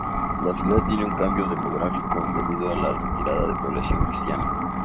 La ciudad tiene un cambio demográfico, debido a la retirada de población cristiana.